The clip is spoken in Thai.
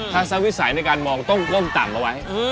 ทัศนวิสัยในการมองต้องก้มต่ำเอาไว้